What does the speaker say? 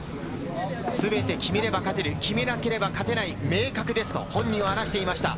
全て決めれば勝てる、決めなければ勝てない、明確ですと本人は話していました。